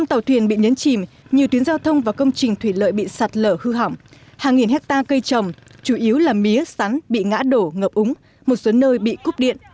năm tàu thuyền bị nhấn chìm nhiều tuyến giao thông và công trình thủy lợi bị sạt lở hư hỏng hàng nghìn hectare cây trồng chủ yếu là mía sắn bị ngã đổ ngập úng một số nơi bị cúp điện